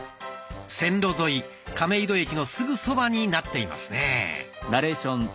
線路沿い亀戸駅のすぐそばになっていますね。